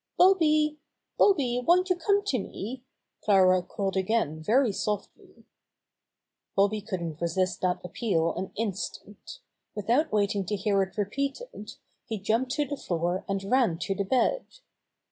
"Bobby! Bobby, won't you come to me?" Clara called again very softly. Bobby couldn't resist that appeal an in stant. Without waiting to hear it repeated he jumped to the floor and ran to the bed.